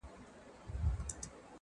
• تر بام لاندي یې مخلوق تر نظر تېر کړ -